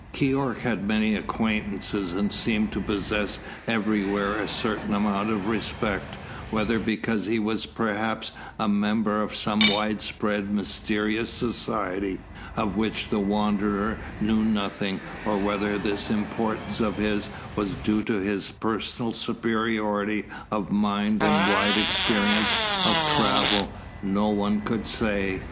Keyork had many acquaintances and seemed to posses everywhere a certain amount of respect, whether because he was perhaps a member of some widespread, mysterious society of which the Wanderer knew nothing, or whether this importance of his was due to his personal superiority of mind and wide experience of travel, no one could say.